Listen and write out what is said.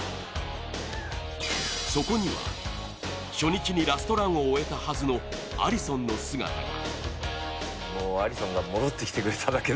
そこには初日にラストランを終えたはずのアリソンの姿が。